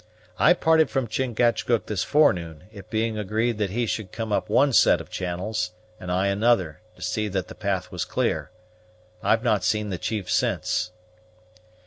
I parted from Chingachgook this forenoon, it being agreed that he should come up one set of channels, and I another, to see that the path was clear. I've not seen the chief since."